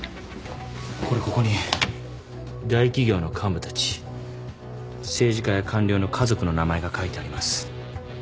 これここに大企業の幹部たち政治家や官僚の家族の名前が書いてあります。